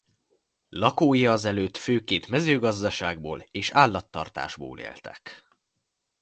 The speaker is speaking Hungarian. Lakói azelőtt főként mezőgazdaságból és állattartásból éltek.